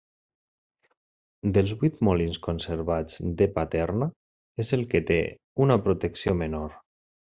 Dels vuit molins conservats de Paterna, és el que té una protecció menor.